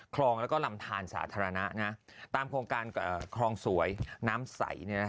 คลองแล้วก็ลำทานสาธารณะตามโครงการคลองสวยน้ำใส